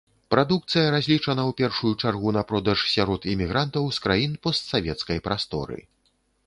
Прадукцыя разлічана ў першую чаргу на продаж сярод імігрантаў з краін постсавецкай прасторы.